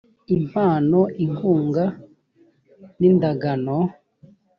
impano inkunga n indagano